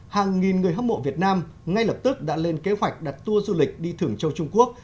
hàng nghìn người hâm mộ việt nam ngay lập tức đã lên kế hoạch đặt tour du lịch đi thưởng châu trung quốc